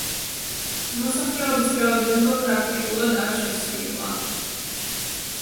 მოსახლეობის რაოდენობა პრაქტიკულად არ შეცვლილა.